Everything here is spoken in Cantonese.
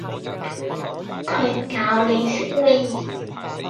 佢咬你食咩